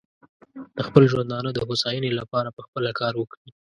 د خپل ژوندانه د هوساینې لپاره پخپله کار وکړي.